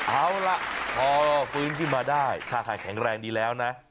เอาล่ะพอฟื้นขึ้นมาได้ท่าทางแข็งแรงดีแล้วนะ